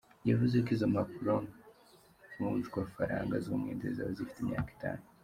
Yavuze ko izo mpapuro mvunjwafaranga z’umwenda zizaba zifite imyaka itanu.